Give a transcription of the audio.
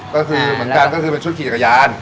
ก็คือเหมือนกันก็คือเป็นชุดขี่จักรยาน